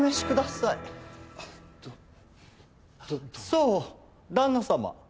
そう旦那様。